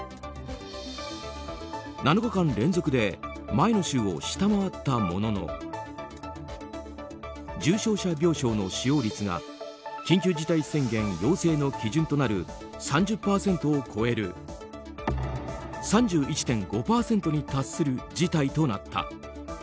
７日間連続で前の週を下回ったものの重症者病床の使用率が緊急事態宣言要請の基準となる３０％を超える３１．５％に達する事態となった。